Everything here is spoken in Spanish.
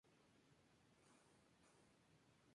Las tablas son unidas con pegamento de resina epoxi.